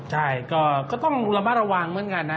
ใช่ก็ต้องระมัดระวังเหมือนกันนะ